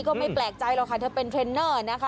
ก็ไม่แปลกใจหรอกค่ะเธอเป็นเทรนเนอร์นะคะ